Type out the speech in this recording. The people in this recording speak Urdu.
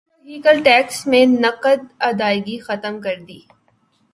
موٹر وہیکل ٹیکس میں نقد ادائیگی ختم کردی